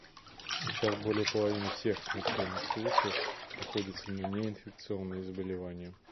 Сейчас более половины всех смертельных случаев приходится на неинфекционные заболевания.